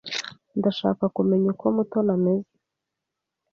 Ndashaka kumenya uko Mutoni ameze.